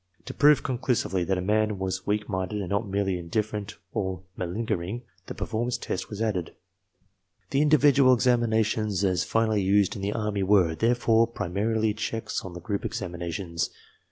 To prove conclusively that a man was weak minded and not merely indifferent or malingering, the per formance test was added. The individual examinations as finally used in the Army were, therefore, primarily checks on the group examinations.